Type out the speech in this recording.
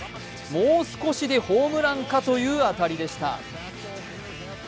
もう少しでホームランかという当たりでした。